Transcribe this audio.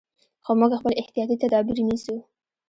خو موږ خپل احتیاطي تدابیر نیسو.